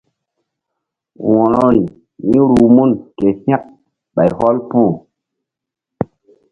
Wo̧rori míruh mun ke hȩk ɓay hɔl puh.